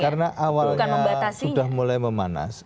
karena awalnya sudah mulai memanas